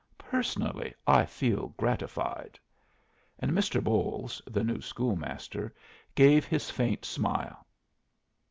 Personally, I feel gratified." And Mr. Bolles, the new school master, gave his faint smile.